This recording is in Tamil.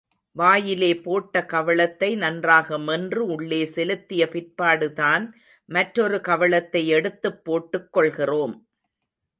வாயிலே போட்ட கவளத்தை நன்றாக மென்று உள்ளே செலுத்திய பிற்பாடுதான் மற்றொரு கவளத்தை எடுத்துப் போட்டுக் கொள்கிறோம்.